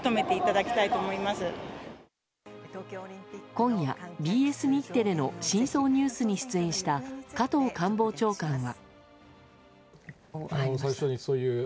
今夜、ＢＳ日テレの「深層ＮＥＷＳ」に出演した加藤官房長官は。